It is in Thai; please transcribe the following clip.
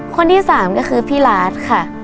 คนที่๓ก็คือพี่ราชค่ะ